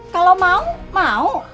kalau mau mau